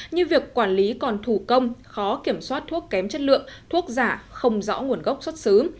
như việc quản lý còn thủ công khó kiểm soát thuốc kém chất lượng thuốc giả không rõ nguồn gốc xuất xứ